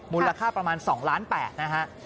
มูลราคาประมาณ๒ล้าน๘นะครับ